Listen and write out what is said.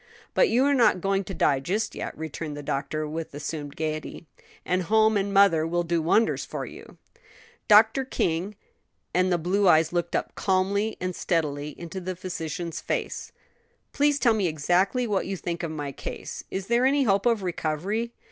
"But you are not going to die just yet," returned the doctor, with assumed gayety; "and home and mother will do wonders for you." "Dr. King," and the blue eyes looked up calmly and steadily into the physician's face, "please tell me exactly what you think of my case. Is there any hope of recovery?"